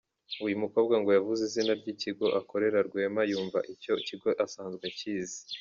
Uyu mukobwa ngo yavuze izina ry’ ikigo akorera Rwema yumva icyo kigo asanzwe akizi.